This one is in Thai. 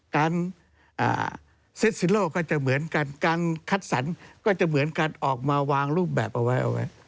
การเซ็ทศิลป์ก็จะเหมือนกันการคัดสรรค์ก็จะเหมือนกันออกมาวางรูปแบบเอาไว้